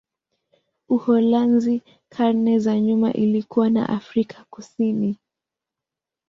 Uholanzi karne za nyuma ilikuwa na Afrika Kusini.